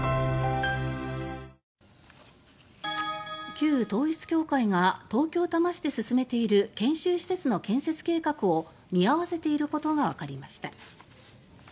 旧統一教会が東京・多摩市で進めている研修施設の建設計画を見合わせていることがわかりました。